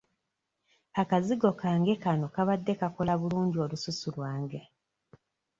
Akazigo kange kano kabadde kakola bulungi olususu lwange.